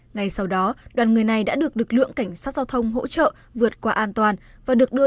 ngay sau đó đoàn người này đã được lực lượng cảnh sát giao thông hỗ trợ vượt qua an toàn và được đưa